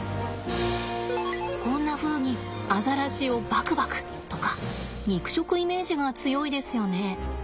こんなふうにアザラシをバクバクとか肉食イメージが強いですよね。